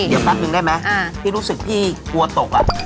เดี๋ยวแป๊บนึงได้ไหมพี่รู้สึกพี่กลัวตก